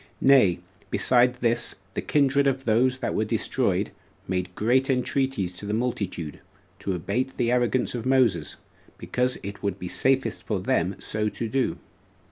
Nay, besides this, the kindred of those that were destroyed made great entreaties to the multitude to abate the arrogance of Moses, because it would be safest for them so to do.